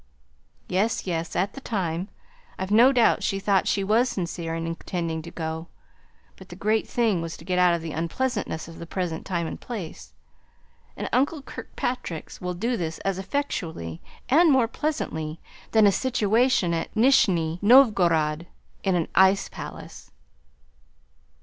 "Yes, yes! at the time. I've no doubt she thought she was sincere in intending to go. But the great thing was to get out of the unpleasantness of the present time and place; and uncle Kirkpatrick's will do this as effectually, and more pleasantly, than a situation at Nishni Novgorod in an ice palace."